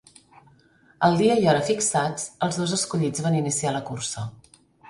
El dia i hora fixats els dos escollits van iniciar la cursa.